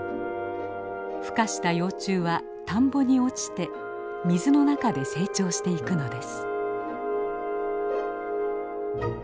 孵化した幼虫は田んぼに落ちて水の中で成長していくのです。